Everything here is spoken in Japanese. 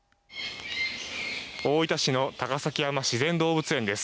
大分市の高崎山自然動物園です。